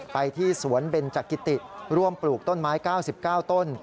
ไปที่สวนเบนจักิติร่วมปลูกต้นไม้๙๙ต้น